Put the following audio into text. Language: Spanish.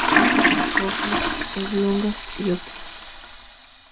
Hojas, oblongas y opuestas.